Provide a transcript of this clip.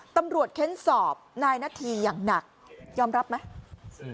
ตำรวจเข้นสอบนายณฑีอย่างหนักยอมรับไหม